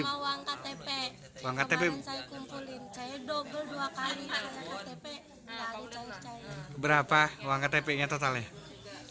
berapa uang ktp nya totalnya